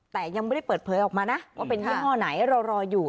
แต่ยังไม่ได้เปิดเผยออกมานะว่าเป็นยี่ห้อไหนเรารออยู่